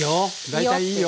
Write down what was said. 大体いいよ！